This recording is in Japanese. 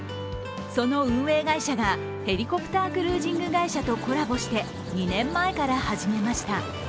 その運営会社がヘリコプタークルージング会社とコラボして２年前から始めました。